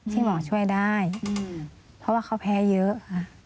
ที่หมอช่วยได้เพราะว่าเขาแพ้เยอะค่ะ